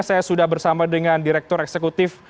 saya sudah bersama dengan direktur eksekutif